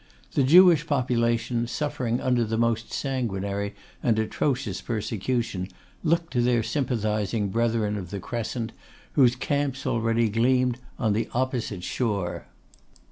The Jewish population, suffering under the most sanguinary and atrocious persecution, looked to their sympathising brethren of the Crescent, whose camps already gleamed on the opposite shore.